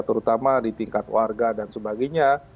terutama di tingkat warga dan sebagainya